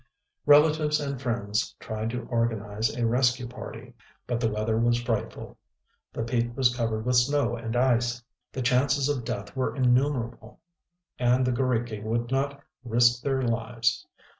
Relatives and friends tried to organize a rescue party. But the weather was frightful; the peak was covered with snow and ice; the chances of death were innumerable; and the g┼Źriki would not risk their lives.